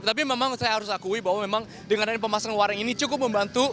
tapi memang saya harus akui bahwa memang dengan adanya pemasangan waring ini cukup membantu